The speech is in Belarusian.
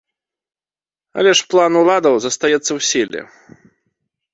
Але ж план уладаў застаецца ў сіле.